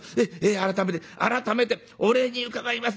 改めて改めてお礼に伺います。